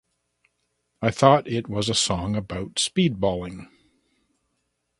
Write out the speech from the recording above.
I thought it was a song about speedballing.